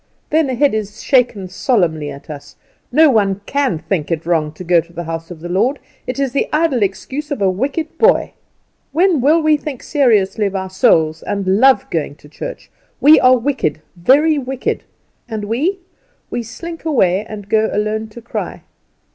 Then a head is shaken solemnly at us. No one can think it wrong to go to the house of the Lord; it is the idle excuse of a wicked boy. When will we think seriously of our souls, and love going to church? We are wicked, very wicked. And we we slink away and go alone to cry.